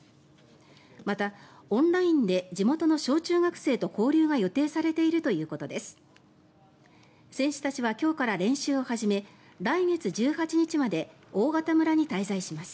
また、オンラインで地元の小中学生と交流が予定されているということです。